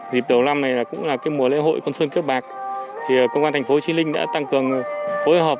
dịp đầu năm này cũng là mùa lễ hội côn sơn kiếp bạc công an thành phố trí linh đã tăng cường phối hợp